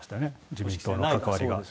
自民党の関わりが。